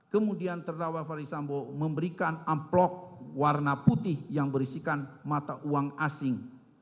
kemudian terdakwa ferdisambo memberikan amplok warna putih yang berisikan mata uang asing